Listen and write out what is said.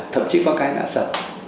thậm chí có cái đã sợ